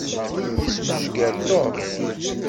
Yesmejger Tom.